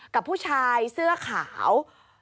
กับผู้ชายเสื้อขาว